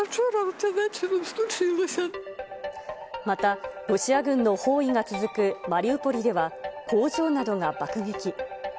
また、ロシア軍の包囲が続くマリウポリでは、工場などが爆撃。